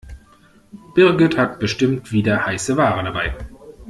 Birgit hat bestimmt wieder heiße Ware dabei.